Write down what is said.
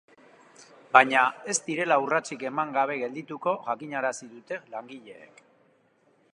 Baina, ez direla urratsik eman gabe geldituko jakinarazi dute langileek.